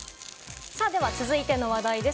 続いての話題です。